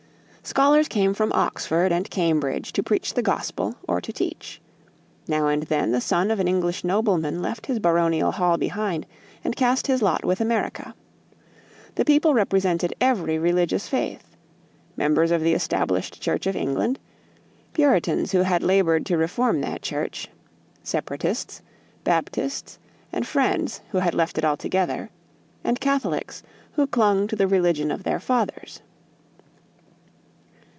Scholars came from Oxford and Cambridge to preach the gospel or to teach. Now and then the son of an English nobleman left his baronial hall behind and cast his lot with America. The people represented every religious faith members of the Established Church of England; Puritans who had labored to reform that church; Separatists, Baptists, and Friends, who had left it altogether; and Catholics, who clung to the religion of their fathers.